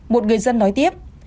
một người dân nói tiếp